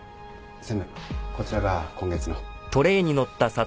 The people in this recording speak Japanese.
専務こちらが今月の。